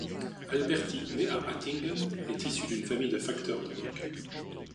Alberti, né à Hattingen, est issu d'une famille de facteurs d'orgue.